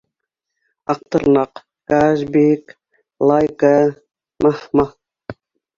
Аҡтырнаҡ, Казбе-ек, Лайка, маһ-маһ.